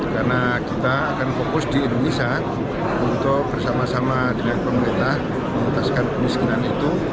karena kita akan fokus di indonesia untuk bersama sama dengan pemerintah mengentaskan pemiskinan itu